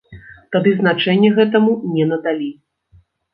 Тады значэння гэтаму не надалі.